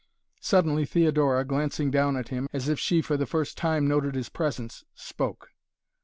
Suddenly Theodora, glancing down at him, as if she for the first time noted his presence, spoke.